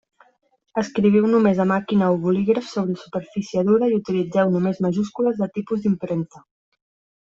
Escriviu només a màquina o bolígraf sobre superfície dura i utilitzeu només majúscules de tipus d'impremta.